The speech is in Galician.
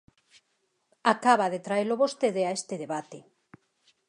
Acaba de traelo vostede a este debate.